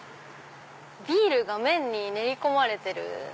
ビールが麺に練り込まれてる？